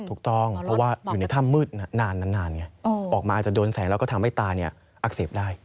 ถูกต้องเพราะว่าอยู่ในถ้ำมืดนานไงออกมาอาจจะโดนแสงแล้วก็ทำให้ตาอักเสบได้